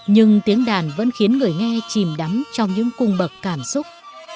nhưng tiếng đàn vẫn khiến người nghe chìm đắm trong những cung bậc cảm xúc